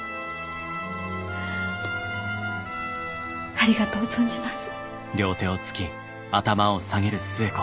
ありがとう存じます。